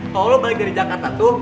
kalo lo balik dari jakarta tuh